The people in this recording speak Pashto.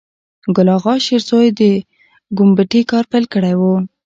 ګل آغا شېرزی د ګومبتې کار پیل کړی و.